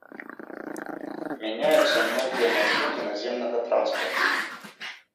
Мяняюцца многія маршруты наземнага транспарту.